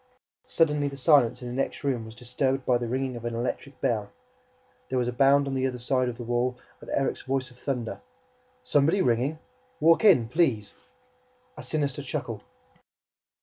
Suddenly, the silence in the next room was disturbed by the ringing of an electric bell. There was a bound on the other side of the wall and Erik's voice of thunder: "Somebody ringing! Walk in, please!" A sinister chuckle.